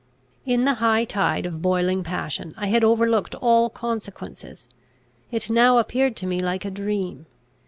In the high tide of boiling passion I had overlooked all consequences. It now appeared to me like a dream.